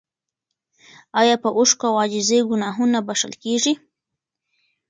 ایا په اوښکو او عاجزۍ ګناهونه بخښل کیږي؟